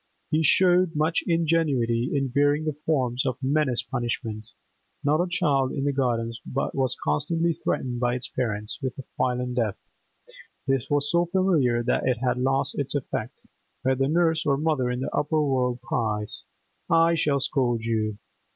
He showed much ingenuity in varying the forms of menaced punishment. Not a child in the Gardens but was constantly threatened by its parents with a violent death; this was so familiar that it had lost its effect; where the nurse or mother in the upper world cries, 'I shall scold you!